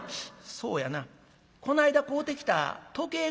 「そうやなこないだ買うてきた時計があったやろ」。